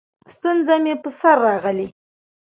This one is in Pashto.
ستونزه مې په سر راغلې؛